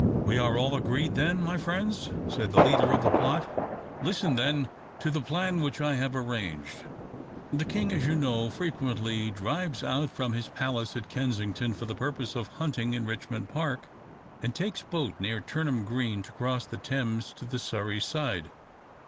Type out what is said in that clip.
"We are all agreed, then, my friends?" said the leader of the plot. "Listen, then, to the plan which I have arranged. The king, as you know, frequently drives out from his palace at Kensington for the purpose of hunting in Richmond Park, and takes boat near Turnham Green to cross the Thames to the Surrey side.